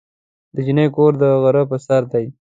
د جینۍ کور د غره په سر دی.